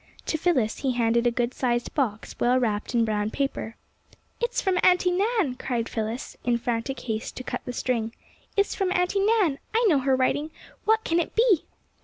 To Phyllis he handed a good sized box well wrapped in brown paper. ^^ It's from Anntie Nan! '' cried Phyllis, in frantic haste to cut the string. ^^ It's from Auntie Nan! I know her writing! What can it be?"